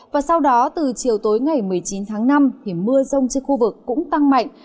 và sau đó từ chiều tối ngày một mươi chín tháng năm mưa rông trên khu vực cũng tăng mạnh